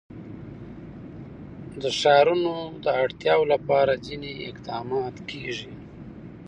د ښارونو د اړتیاوو لپاره ځینې اقدامات کېږي.